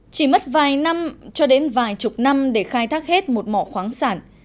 chỉ mất vài năm cho đến vài chục năm để khai thác hết một mỏ khoáng sản